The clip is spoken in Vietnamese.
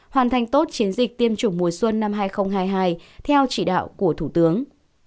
hoàn thành tốt chiến dịch tiêm chủng mùa xuân năm hai nghìn hai mươi hai theo chỉ đạo của thủ tướng